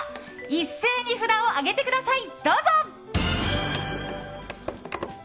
一斉に札を上げてください。